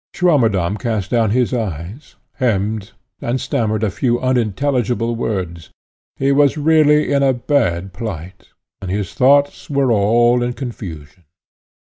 Swammerdamm cast down his eyes, hemmed, and stammered a few unintelligible words; he was really in a bad plight, and his thoughts were all in confusion.